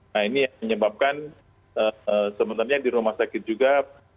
nah ini yang menyebabkan sebenarnya di rumah sakit juga